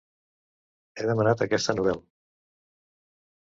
He demanat aquesta novel